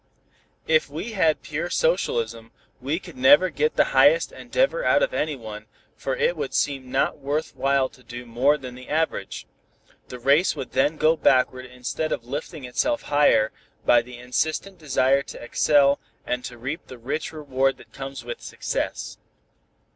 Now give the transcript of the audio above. If we had pure socialism, we could never get the highest endeavor out of anyone, for it would seem not worth while to do more than the average. The race would then go backward instead of lifting itself higher by the insistent desire to excel and to reap the rich reward that comes with success."